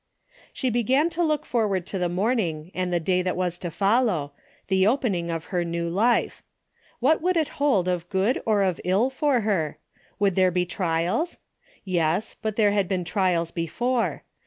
She began to look forward to the morning and the day that was to follow, the opening of her new life. What would it hold of good or of ill for her? Would there be trials? Yes, but there had been trials before.